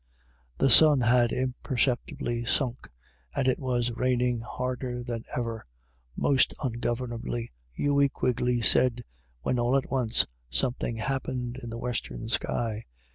The sun had imperceptibly sunk, and it was raining harder than ever, " most ungovernably/' Hughey Quigley said, when all at once something happened in the western sky.